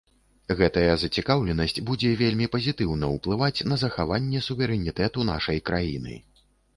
Гэтая зацікаўленасць будзе вельмі пазітыўна ўплываць на захаванне суверэнітэту нашай краіны.